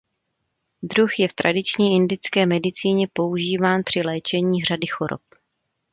Druh je v tradiční indické medicíně používán při léčení řady chorob.